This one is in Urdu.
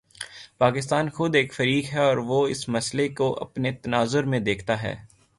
پاکستان خود ایک فریق ہے اور وہ اس مسئلے کو اپنے تناظر میں دیکھتا ہے۔